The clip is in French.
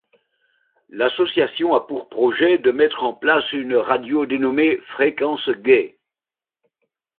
L'association a pour projet de mettre en place une radio dénommée Fréquence Gaie.